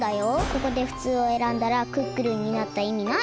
ここでフツウをえらんだらクックルンになったいみないよ。